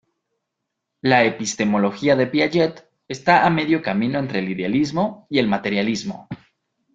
La epistemología de Piaget está a medio camino entre el idealismo y el materialismo.